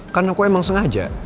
karena aku emang sengaja